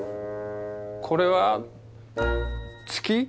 これは月？